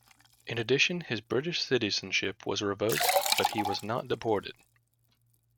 In addition, his British citizenship was revoked but he was not deported.